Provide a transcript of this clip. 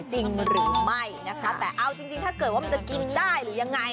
จริงหรือไม่นะคะแต่เอาจริงถ้าเกิดว่ามันจะกินได้หรือยังไง